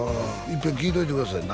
いっぺん聞いといてください